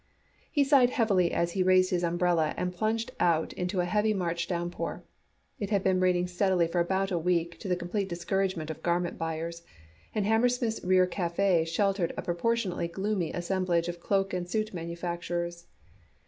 He sighed heavily as he raised his umbrella and plunged out into a heavy March downpour. It had been raining steadily for about a week to the complete discouragement of garment buyers, and Hammersmith's rear café sheltered a proportionately gloomy assemblage of cloak and suit manufacturers.